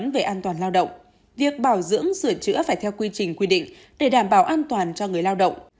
việc bảo dưỡng sửa chữa phải theo quy trình quy định để đảm bảo an toàn cho người lao động